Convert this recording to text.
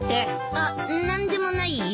あっ何でもないよ。